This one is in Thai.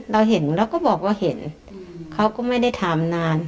เราก็บอกว่าเห็นเขาก็ไม่ได้ถามนาน